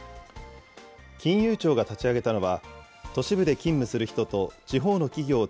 金融庁が立ち上げたのは、都市部で勤務する人と地方の企業を